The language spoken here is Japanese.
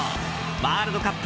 ワールドカップ